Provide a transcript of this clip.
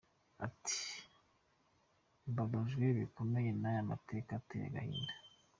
Ati “Mbabajwe bikomeye n’aya mateka ateye agahinda! “.